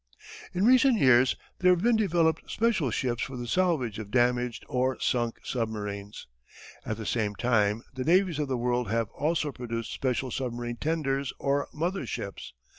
In recent years there have been developed special ships for the salvage of damaged or sunk submarines. At the same time the navies of the world have also produced special submarine tenders or mother ships.